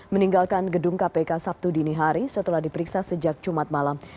meninggalkan gedung kpk sabtu dini hari setelah diperiksa sejak jumat malam